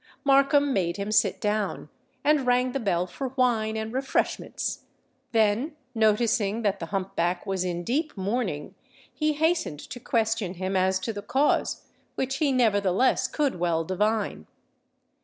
Markham made him sit down, and rang the bell for wine and refreshments: then, noticing that the hump back was in deep mourning, he hastened to question him as to the cause—which he nevertheless could well divine.